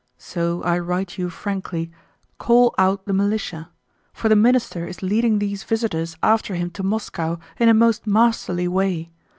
So I write you frankly: call out the militia. For the Minister is leading these visitors after him to Moscow in a most masterly way.